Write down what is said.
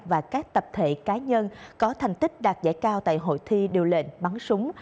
và các tập thể cá nhân có thành tích đạt giải cao tại hội thi điều lệnh bắn súng